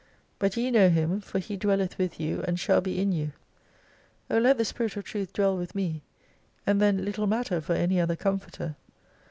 But ye know Him, for He dwelleth with you, and shall be in you. O let the Spirit of Truth dwell with me, and then little matter for any other comforter.